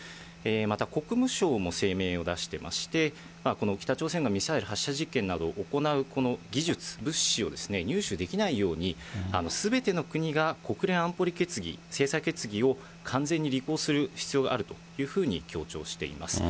また国務省も声明を出していまして、この北朝鮮がミサイル発射実験などを行うこの技術、物資を入手できないように、すべての国が国連安保理決議、制裁決議を完全に履行する必要があるというふうに強調しています。